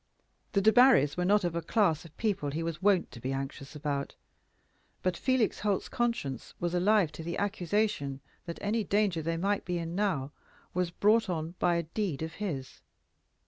The Debarrys were not of the class of people he was wont to be anxious about; but Felix Holt's conscience was alive to the accusation that any danger they might be in now was brought on by a deed of his.